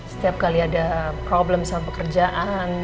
setiap kali ada problem sama pekerjaan